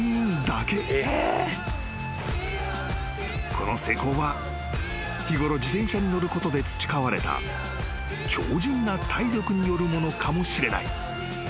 ［この成功は日ごろ自転車に乗ることで培われた強靱な体力によるものかもしれない］